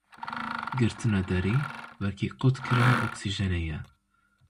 Girtina derî wekî qutkirina oksîjenê ye.